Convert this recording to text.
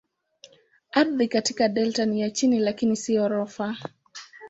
Ardhi katika delta ni ya chini lakini si ghorofa.